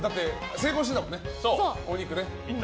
成功してたもんね、お肉。